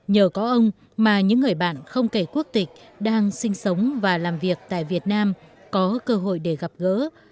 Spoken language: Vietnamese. nhờ có ông mà những người bạn không kể quốc tịch đang sinh sống và làm việc tại việt nam có cơ hội để gặp gỡ